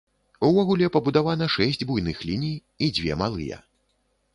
Увогуле пабудавана шэсць буйных ліній і дзве малыя.